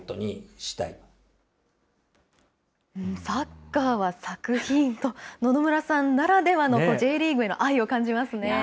サッカーは作品と、野々村さんならではのＪリーグへの愛を感じますね。